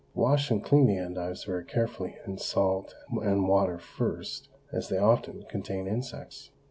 Wash and clean the endives very carefully in salt and water first, as they often contain insects.